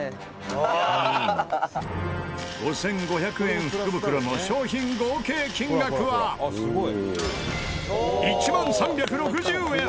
５５００円福袋の商品合計金額は１万３６０円。